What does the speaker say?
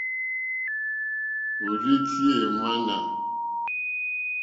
Òrzì tíyá èŋmánà.